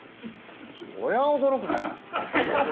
そりゃ驚くね。